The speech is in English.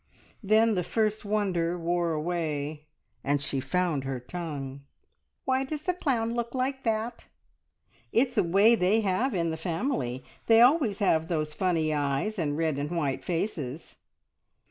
Then the first wonder wore away, and she found her tongue. "Why does the clown look like that?" "It's a way they have in the family. They always have those funny eyes, and red and white faces."